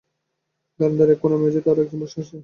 ধারান্দার এক কোণার মেঝেতে আরো একজন বসে আছে।